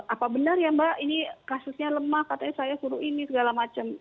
apa benar ya mbak ini kasusnya lemah katanya saya suruh ini segala macam